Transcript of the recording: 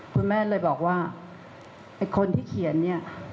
คุณแม่เลยบอกว่าไอ้คนที่เขียนเนี่ย